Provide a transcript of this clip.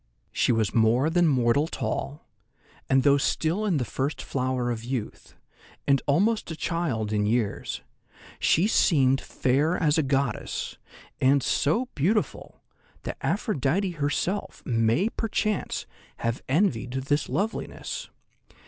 She was more than mortal tall, and though still in the first flower of youth, and almost a child in years, she seemed fair as a goddess, and so beautiful that Aphrodite herself may perchance have envied this loveliness.